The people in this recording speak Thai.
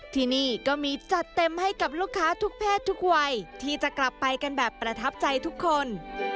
ที่นี่ก็มีจัดเต็มให้กับลูกค้าทุกเพศทุกวัยที่จะกลับไปกันแบบประทับใจทุกคน